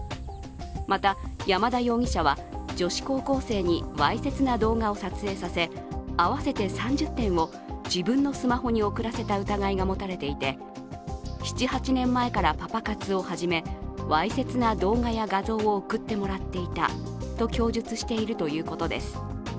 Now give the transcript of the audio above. また、山田容疑者は女子高校生にわいせつな動画を撮影させ、合わせて３０点を自分のスマホに送らせた疑いが持たれていて７８年前からパパ活を始めわいせつな動画や画像を送ってもらっていたと供述しているということです。